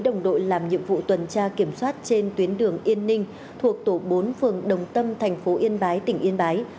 đồng đội làm nhiệm vụ tuần tra kiểm soát trên tuyến đường yên ninh thuộc tổ bốn phường đồng tâm thành phố yên bái tỉnh yên bái